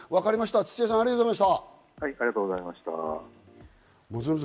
土屋さん、ありがとうございました。